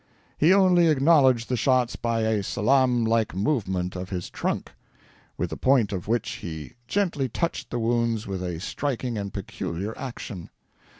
He only acknowledged the shots by a salaam like movement of his trunk, with the point of which he gently touched the wounds with a striking and peculiar action.